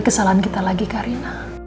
kesalahan kita lagi karina